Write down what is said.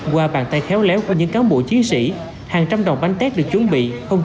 qua bàn tay khéo léo của những cán bộ chiến sĩ hàng trăm đòn bánh tét được chuẩn bị không